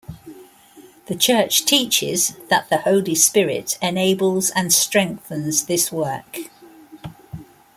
The church teaches that the Holy Spirit enables and strengthens this work.